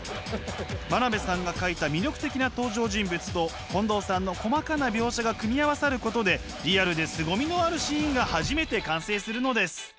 真鍋さんが描いた魅力的な登場人物と近藤さんの細かな描写が組み合わさることでリアルですごみのあるシーンが初めて完成するのです。